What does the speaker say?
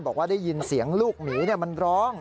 บอกว่าได้ยินเสียงลูกหมีมันร้อง